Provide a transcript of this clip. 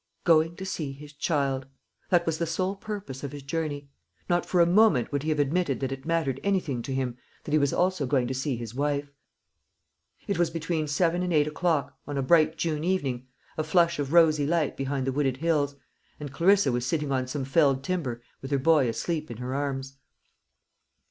Going to see his child that was the sole purpose of his journey; not for a moment would he have admitted that it mattered anything to him that he was also going to see his wife. It was between seven and eight o'clock, on a bright June evening a flush of rosy light behind the wooded hills and Clarissa was sitting on some felled timber, with her boy asleep in her arms.